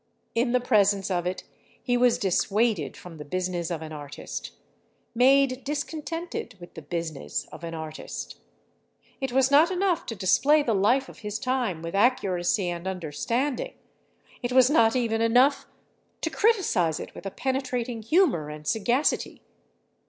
In the presence of it, he was dissuaded from the business of an artist,—made discontented with the business of an artist. It was not enough to display the life of his time with accuracy and understanding; it was not even enough to criticize it with a penetrating humor and sagacity.